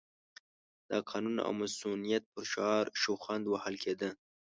د قانون او مصونیت پر شعار شخوند وهل کېده.